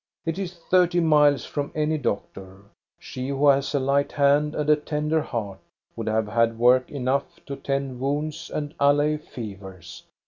It is thirty miles from any doctor. She, who has a light hand and a tender heart, would have had work enough to tend wounds and allay fevers.